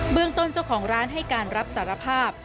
เมืองต้นเจ้าของร้านให้การรับสารภาพ